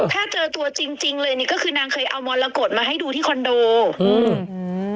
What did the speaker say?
ถ้าเจอตัวจริงจริงเลยนี่ก็คือนางเคยเอามรกฏมาให้ดูที่คอนโดอืม